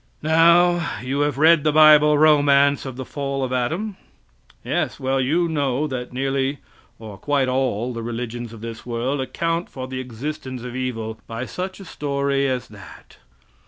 Now, you have read the bible romance of the fall of Adam? Yes, well, you know that nearly or quite all the religions of this world account for the existence of evil by such a story as that!